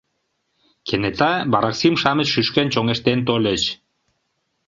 Кенета вараксим-шамыч шӱшкен чоҥештен тольыч.